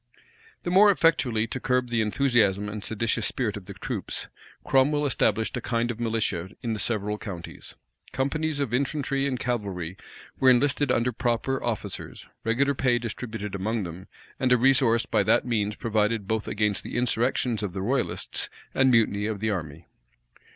The more effectually to curb the enthusiastic and seditious spirit of the troops, Cromwell established a kind of militia in the several counties. Companies of infantry and cavalry were enlisted under proper officers, regular pay distributed among them, and a resource by that means provided both against the insurrections of the royalists and mutiny of the army.